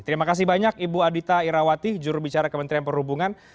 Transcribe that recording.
terima kasih banyak ibu adita irawati juru bicara kementerian perubahan